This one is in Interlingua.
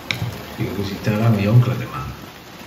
Io visitara mi oncle deman.